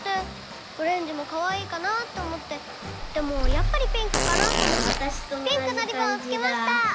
オレンジもかわいいかなって思ってでもやっぱりピンクかなって思ってピンクのリボンをつけました！